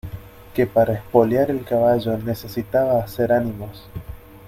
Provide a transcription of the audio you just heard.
que para espolear el caballo necesitaba hacer ánimos.